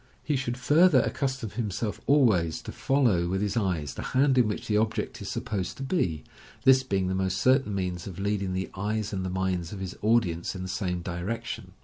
He should further accustom himself always to follow with his eyes the hand in which the object is supposed to be, this being the most certain means of leading the eyes and the minds of his audience in the same direction.